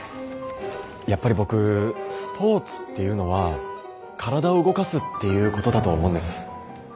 やっぱり僕スポーツっていうのは体を動かすっていうことだと思うんです。